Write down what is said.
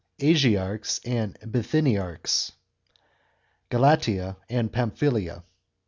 Asi archs and Bithynitrc'is. § 4. GALATIA and PAMPHYLIA.